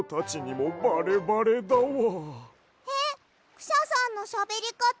クシャさんのしゃべりかた